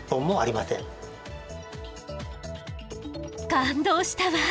感動したわ。